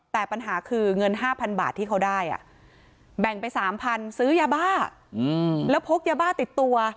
แต่ปัญหาคือเงิน๕๐๐บาทที่เขาได้แบ่งไป๓๐๐๐ซื้อยาบ้าแล้วพกยาบ้าติดตัว